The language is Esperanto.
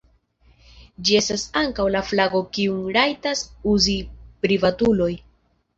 Ĝi estas ankaŭ la flago kiun rajtas uzi privatuloj.